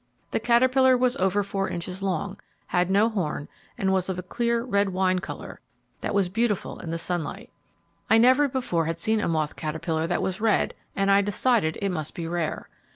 The caterpillar was over four inches long, had no horn, and was of a clear red wine colour, that was beautiful in the sunlight. I never before had seen a moth caterpillar that was red and I decided it must be rare.